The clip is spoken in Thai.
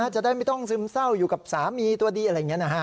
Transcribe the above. จะได้ไม่ต้องซึมเศร้าอยู่กับสามีตัวดีอะไรอย่างนี้นะฮะ